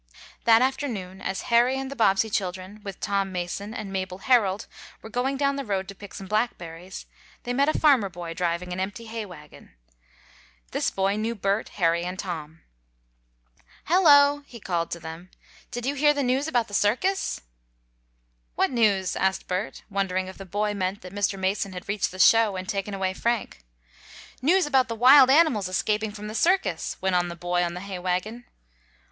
That afternoon, as Harry and the Bobbsey children, with Tom Mason and Mabel Herold were going down the road to pick some blackberries, they met a farmer boy driving an empty hay wagon. This boy knew Bert, Harry and Tom. "Hello!" he called to them, "did you hear the news about the circus?" "What news?" asked Bert, wondering if the boy meant that Mr. Mason had reached the show and taken away Frank. "News about the wild animals escaping from the circus," went on the boy on the hay wagon.